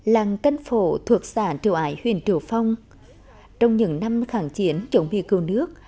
làng tân phổ thuộc xã triều ái huyện triều phong trong những năm khẳng chiến chống bị cưu nước